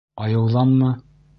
Айыуҙанмы?